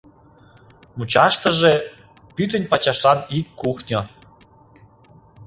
Мучаштыже — пӱтынь пачашлан ик кухньо.